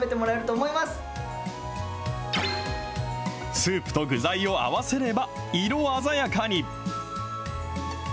スープと具材を合わせれば、色鮮やかに。